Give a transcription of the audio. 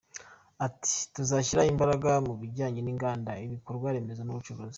Ati “Tuzashyira imbaraga mu bijyanye n’inganda, ibikorwa remezo n’ubucuruzi.